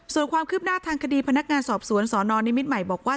ส่วนความคืบหน้าทางคดีพนักงานสอบสวนสนนิมิตรใหม่บอกว่า